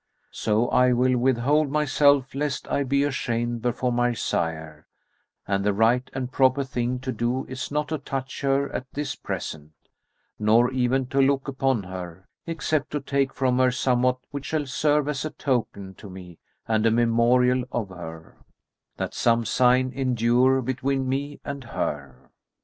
So I will withhold myself lest I be ashamed before my sire; and the right and proper thing to do is not to touch her at this present, nor even to look upon her, except to take from her somewhat which shall serve as a token to me and a memorial of her; that some sign endure between me and her."